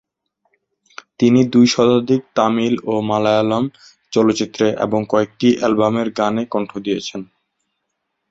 তিনি দুই শতাধিক তামিল ও মালয়ালম চলচ্চিত্রে এবং কয়েকটি অ্যালবামের গানে কণ্ঠ দিয়েছেন।